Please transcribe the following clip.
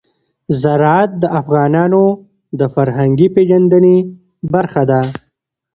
زراعت د افغانانو د فرهنګي پیژندنې برخه ده.